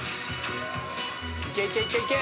いけいけいけいけ！